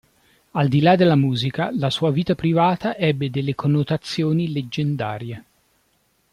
Al di là della musica, la sua vita privata ebbe delle connotazioni leggendarie.